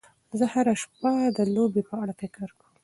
زه هره شپه د لوبې په اړه فکر کوم.